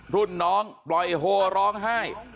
รุ่นน้องปล่อยโฮร้องไห้